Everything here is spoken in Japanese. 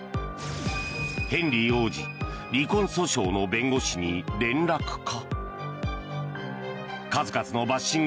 ヘンリー王子離婚訴訟の弁護士に連絡か。